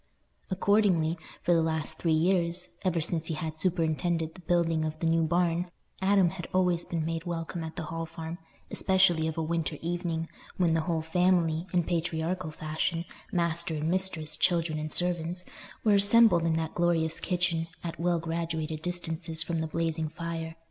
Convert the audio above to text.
Accordingly, for the last three years—ever since he had superintended the building of the new barn—Adam had always been made welcome at the Hall Farm, especially of a winter evening, when the whole family, in patriarchal fashion, master and mistress, children and servants, were assembled in that glorious kitchen, at well graduated distances from the blazing fire.